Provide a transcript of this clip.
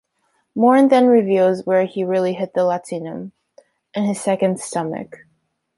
Morn then reveals where he really hid the latinum - in his second stomach.